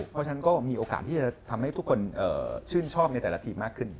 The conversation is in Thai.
เพราะฉะนั้นก็มีโอกาสที่จะทำให้ทุกคนชื่นชอบในแต่ละทีมมากขึ้น